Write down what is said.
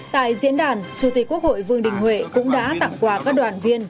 tại diễn đàn chủ tịch quốc hội vương đình huệ cũng đã tặng quà các đoàn viên